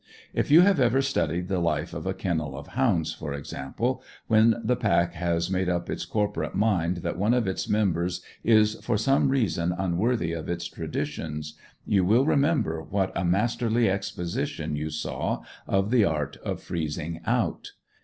If you have ever studied the life of a kennel of hounds, for example, when the pack has made up its corporate mind that one of its members is for some reason unworthy of its traditions, you will remember what a masterly exposition you saw of the art of freezing out.